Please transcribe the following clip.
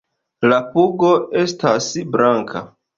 La pugo estas blanka.